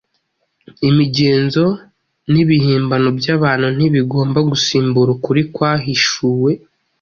Imigenzo n’ibihimbano by’abantu ntibigomba gusimbura ukuri kwahishuwe.